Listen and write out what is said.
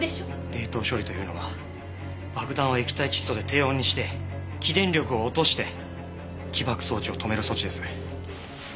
冷凍処理というのは爆弾を液体窒素で低温にして起電力を落として起爆装置を止める措置です。